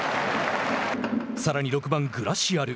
さらに６番グラシアル。